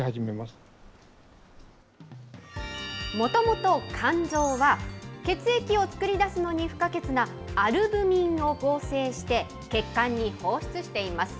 もともと肝臓は、血液を作り出すのに不可欠なアルブミンを合成して、血管に放出しています。